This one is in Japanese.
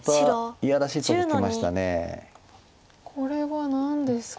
これは何ですか？